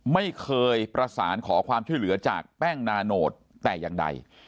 ไม่เคยประสานขอความช่วยเหลือจากแป้งนาโนตแต่อย่างใด